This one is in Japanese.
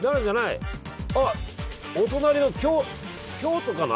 あっお隣の京京都かな？